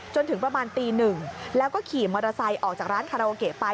จนถึงประมาณตีหนึ่งแล้วก็ขี่มอเตอร์ไซค์ออกจากร้านคาราโอเกะไป